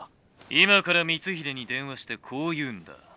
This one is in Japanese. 「今から光秀に電話してこう言うんだ。